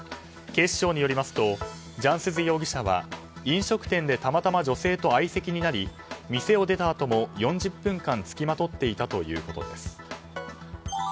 警視庁によりますとジャンスズ容疑者は、飲食店でたまたま女性と相席になり店を出たあとも４０分間付きまとっていたということです。